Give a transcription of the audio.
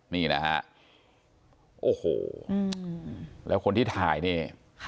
นี่นะฮะโอ้โหแล้วคนที่ถ่ายนี่